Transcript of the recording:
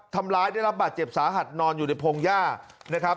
ได้รับบาดเจ็บสาหัสนอนอยู่ในพงหญ้านะครับ